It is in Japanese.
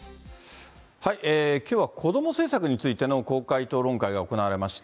きょうは子ども政策についての公開討論会が行われました。